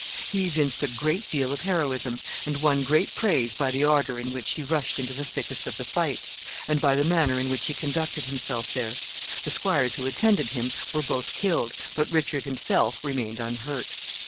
He evinced a great deal of heroism, and won great praise by the ardor in which he rushed into the thickest of the fight, and by the manner in which he conducted himself there. The squires who attended him were both killed, but Richard himself remained unhurt.